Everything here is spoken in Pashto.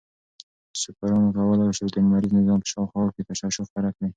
سوپرنووا کولای شي د لمریز نظام په شاوخوا کې تشعشع خپره کړي.